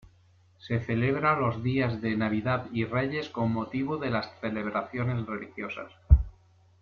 Se celebra los días de Navidad y Reyes con motivo de las celebraciones religiosas.